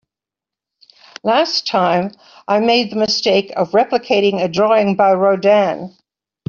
Last time, I made the mistake of replicating a drawing by Rodin.